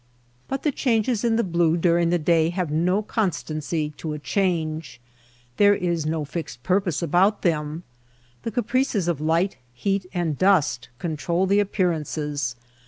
But the changes in the blue during the day have no constancy to a change. There is no fixed purpose about them. The caprices of light, heat, and dust control the appearances.